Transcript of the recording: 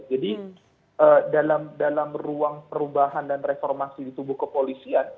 jadi dalam ruang perubahan dan reformasi di tubuh kompetensi